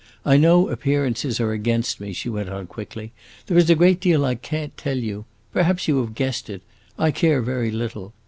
I know appearances are against me," she went on quickly. "There is a great deal I can't tell you. Perhaps you have guessed it; I care very little.